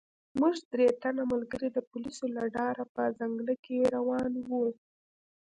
موږ درې تنه ملګري د پولیسو له ډاره په ځنګله کې روان وو.